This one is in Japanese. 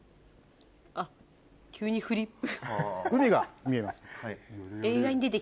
あっ急にフリップ。